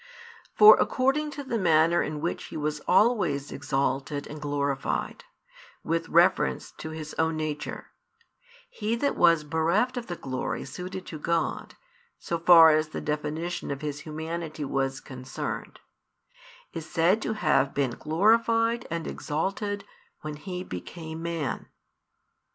For according to the manner in which He was always exalted and glorified, with reference to His Own Nature, He that was bereft of the glory suited to God, so far as the definition of His Humanity was concerned, is said to have been glorified and exalted when He became Man.